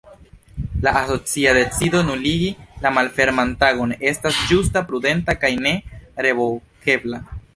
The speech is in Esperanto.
La asocia decido nuligi la Malferman Tagon estas ĝusta, prudenta kaj ne-revokebla.